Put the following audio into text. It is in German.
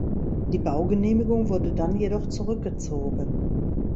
Die Baugenehmigung wurde dann jedoch zurückgezogen.